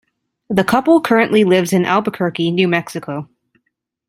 The couple currently lives in Albuquerque, New Mexico.